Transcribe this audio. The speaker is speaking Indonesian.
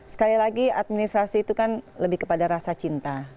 sekali lagi administrasi itu kan lebih kepada rasa cinta